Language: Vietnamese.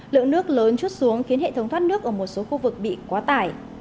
lượng nước lớn chút xuống khiến hệ thống thoát nước ở một số khu vực bị quá tải